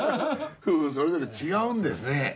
夫婦それぞれ違うんですね。